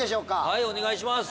はいお願いします